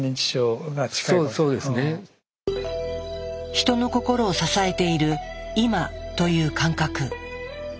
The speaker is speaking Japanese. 人の心を支えている「今」という感覚。